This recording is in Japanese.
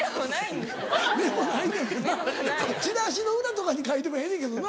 ちらしの裏とかに書いてもええねんけどな。